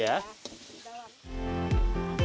ya kita lanjut